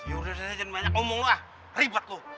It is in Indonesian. yaudah deh jangan banyak ngomong lah ribet lo